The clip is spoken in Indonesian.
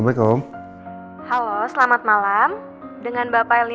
gak mau nyopain adik